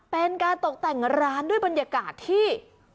เป็นการตกแต่งร้านด้วยบรรยากาศที่